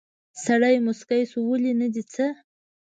سړی موسکی شو: ولې، نه دي څه؟